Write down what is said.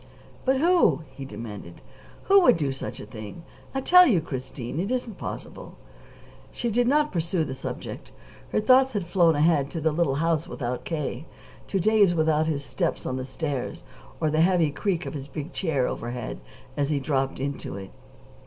"But who?" he demanded. "Who would do such a thing? I tell you, Christine, it isn't possible." She did not pursue the subject. Her thoughts had flown ahead to the little house without K., to days without his steps on the stairs or the heavy creak of his big chair overhead as he dropped into it.